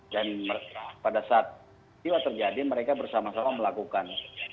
dan pada saat peristiwa terjadi mereka bersama sama melakukan